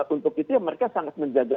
untuk itu ya mereka sangat menjaga